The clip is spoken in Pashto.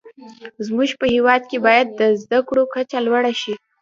زموږ په هیواد کې باید د زده کړو کچه لوړه شې.